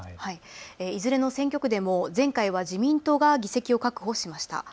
いずれの選挙区でも前回は自民党が議席を確保しました。